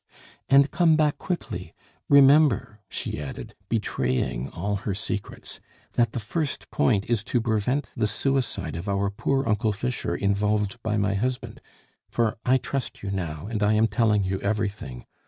"And come back quickly! Remember," she added, betraying all her secrets, "that the first point is to prevent the suicide of our poor Uncle Fischer involved by my husband for I trust you now, and I am telling you everything.